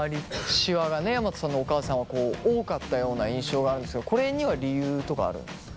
シワがね山戸さんのお母さんは多かったような印象があるんですけどこれには理由とかあるんですか？